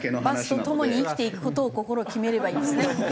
バスとともに生きていく事を心決めればいいんですね。